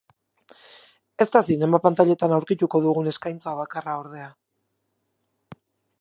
Ez da zinema-pantailetan aurkituko dugun eskaintza bakarra, ordea.